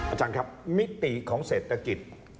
อาจารย์ครับมิติของเศรษฐกิจ